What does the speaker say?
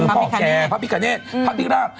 ภพภิกคะเนเสะอืมภพพิกราบ